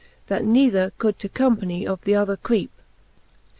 That neither could to company of th' other creepe.